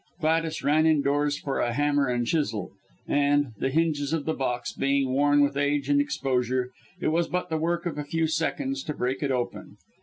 Gladys ran indoors for a hammer and chisel, and, the hinges of the box being worn with age and exposure, it was but the work of a few seconds to break it open.